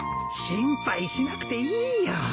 心配しなくていいよ。